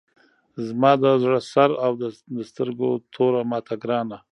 زما د زړه سر او د سترګو توره ماته ګرانه!